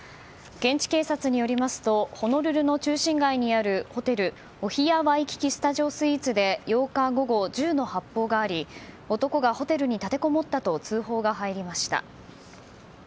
現地警察によりますとホノルルの中心街にあるホテルオヒア・ワイキキ・スタジオスイーツで８日午後銃の発砲があり男がホテルに立てこもったと通報が入りました。